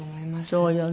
そうよね。